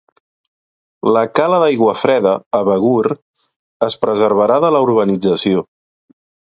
La Cala d'Aiguafreda, a Begur, es preservarà de la urbanització.